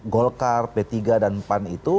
golkar p tiga dan pan itu